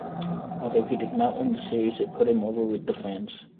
Although he did not win the series, it put him over with the fans.